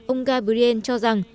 ông gabriel cho rằng